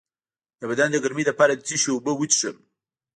د بدن د ګرمۍ لپاره د څه شي اوبه وڅښم؟